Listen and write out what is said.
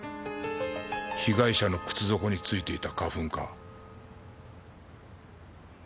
被害者の靴底についていた花粉か。